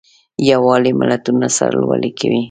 یووالی ملتونه سرلوړي کوي.